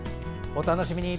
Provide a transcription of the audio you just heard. お楽しみに。